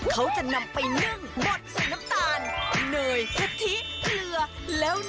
เขาจะนำไปนึ่งบดใส่น้ำตาลเนยกะทิเกลือแล้ว